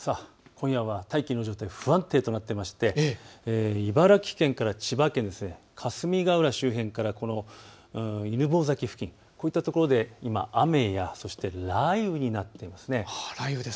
今夜は大気の状態不安定となっていまして茨城県から千葉県、霞ヶ浦周辺から犬吠埼付近、こういったところで今、雨や雷雨になっているんですね。